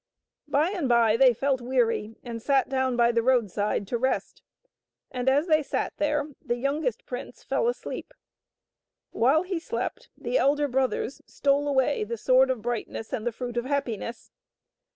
By and by they felt weary and sat down by the roadside to rest, and as they sat there the youngest prince fell asleep. While he slept the elder brothers stole away the Sword of Brightness and the Fruit of Happiness.